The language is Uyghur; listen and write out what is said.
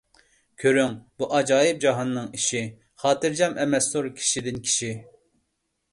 كۆرۈڭ، بۇ ئاجايىپ جاھاننىڭ ئىشى، خاتىرجەم ئەمەستۇر كىشىدىن كىشى.